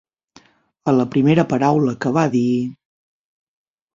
A la primera paraula que va dir...